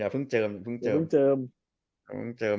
เพิ่งเจิม